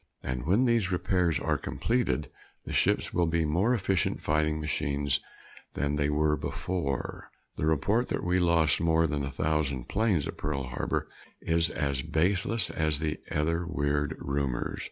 And when those repairs are completed, the ships will be more efficient fighting machines than they were before. The report that we lost more than a thousand planes at Pearl Harbor is as baseless as the other weird rumors.